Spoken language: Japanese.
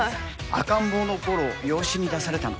赤ん坊のころ養子に出されたの。